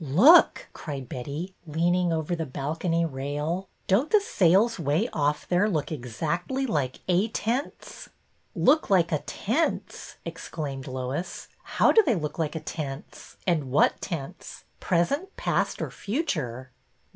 Look," cried Betty, leaning over the balcony rail. '' Don't the sails 'way off there look exactly like A tents ?"'' Look like a tense! " exclaimed Lois. '' How do they look like a tense? And what tense, pres ent, past, or future?"